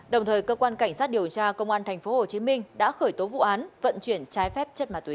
đồng thời cơ quan cảnh sát điều tra công an tp hcm đã khởi tố vụ án vận chuyển trái phép chất ma túy